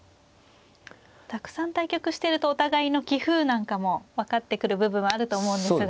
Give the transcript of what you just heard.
たくさん対局してるとお互いの棋風なんかも分かってくる部分はあると思うんですが。